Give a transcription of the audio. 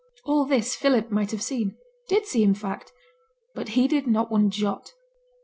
All this Philip might have seen; did see, in fact; but heeded not one jot.